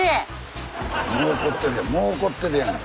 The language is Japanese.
もう怒ってるやん